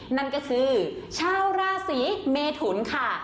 นั่นก็คือชาวราศีเมทุนค่ะ